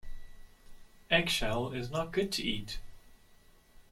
Eggshell is not good to eat.